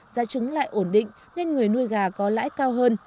giá trứng lại ổn định nên người nuôi gà có lãi cao hơn